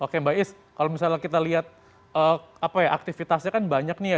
oke mbak is kalau misalnya kita lihat aktivitasnya kan banyak nih ya